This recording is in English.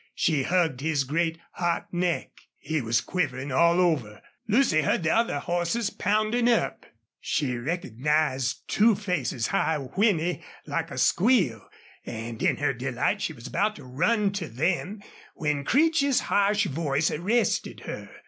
She hugged his great, hot neck. He was quivering all over. Lucy heard the other horses pounding up; she recognized Two Face's high whinny, like a squeal; and in her delight she was about to run to them when Creech's harsh voice arrested her.